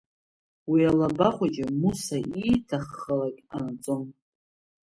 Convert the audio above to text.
Уи алаба хәыҷы Муса ииҭаххалак ҟанаҵон.